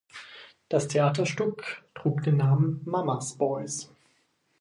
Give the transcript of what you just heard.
Das Theaterstück trug den Namen "Mamas Boys".